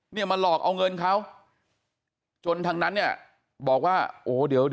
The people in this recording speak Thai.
นี่มาหลอกเอาเงินเขาจนทั้งนั้นบอกว่าโอ้เดี๋ยว